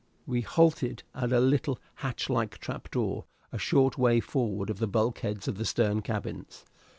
We halted at a little hatch like trap door a short way forward of the bulkheads of the stern cabins.